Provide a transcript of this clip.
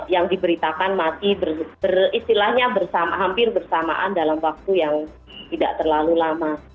yang diberitakan mati beristilahnya hampir bersamaan dalam waktu yang tidak terlalu lama